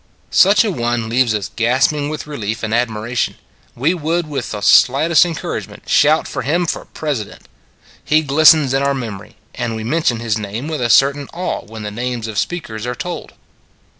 Such a one leaves us gasping with re lief and admiration : we would with the slightest encouragement, shout for him for President. He glistens in our memory; and we mention his name with a certain awe when the names of speakers are told.